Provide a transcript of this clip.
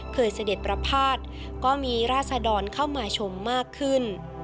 เสด็จประพาทก็มีราศดรเข้ามาชมมากขึ้น